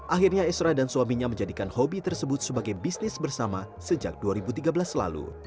akhirnya esra dan suaminya menjadikan hobi tersebut sebagai bisnis bersama sejak dua ribu tiga belas lalu